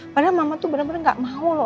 padahal mama tuh bener bener gak mau loh